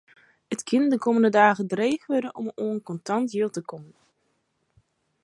It kin de kommende dagen dreech wurde om oan kontant jild te kommen.